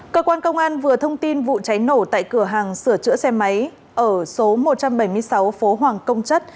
cơ quan công an vừa thông tin vụ cháy nổ tại cửa hàng sửa chữa xe máy ở số một trăm bảy mươi sáu phố hoàng công chất